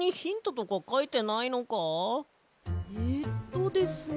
えっとですね